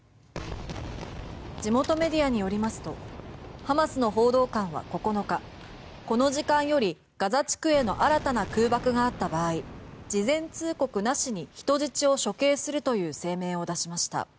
地元メディアによりますとハマスの報道官は９日この時間よりガザ地区への新たな空爆があった場合事前通告なしに人質を処刑するという声明を出しました。